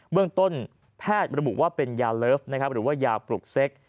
เรื่องต้นแพทย์ระบุว่าเป็นยาเลิฟหรือว่ายาปลุกเซ็ก